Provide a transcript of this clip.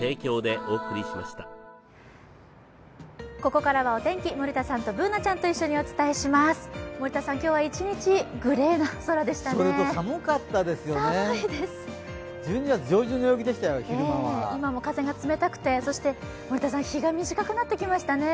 ここからはお天気、森田さんとＢｏｏｎａちゃんと一緒にお伝えします森田さん、今日は１日グレーな空でしたね。